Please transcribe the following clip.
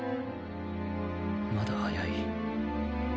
まだ早い